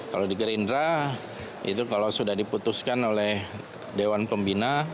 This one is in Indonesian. kalau di gerindra itu kalau sudah diputuskan oleh dewan pembina